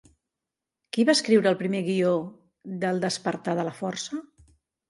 Qui va escriure el primer guió d'El despertar de la força?